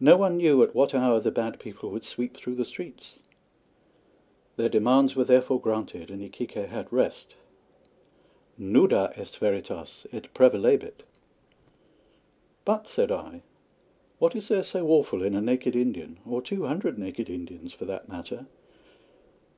No one knew at what hour the Bad People would sweep through the streets. Their demands were therefore granted and Iquique had rest. Nuda est Veritas et prevalebit. "But," said I, "what is there so awful in a naked Indian or two hundred naked Indians for that matter?"